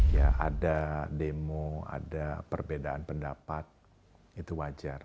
ya ada demo ada perbedaan pendapat itu wajar